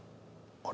あれ？